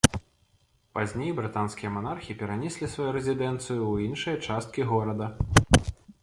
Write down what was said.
Пазней брытанскія манархі перанеслі сваю рэзідэнцыю ў іншыя часткі горада.